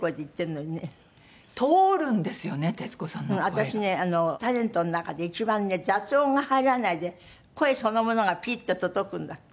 私ねタレントの中で一番ね雑音が入らないで声そのものがピッて届くんだって。